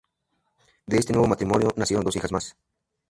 De este nuevo matrimonio nacieron dos hijas más.